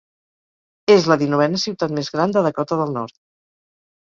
És la dinovena ciutat més gran de Dakota del Nord.